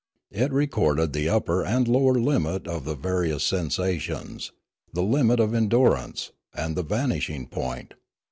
It re corded the upper and lower limit of the various sens ations, the limit of endurance, and the vanishing point.